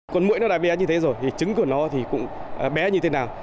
con mũi nó đã bé như thế rồi thì trứng của nó thì cũng bé như thế nào